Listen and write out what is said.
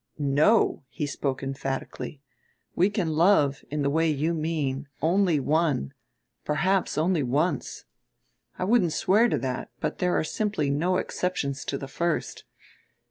"No!" he spoke emphatically. "We can love, in the way you mean, only one, perhaps only once. I wouldn't swear to that, but there are simply no exceptions to the first.